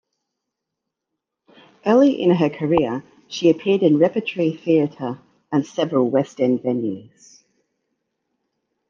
Early in her career, she appeared in repertory theatre and several West End venues.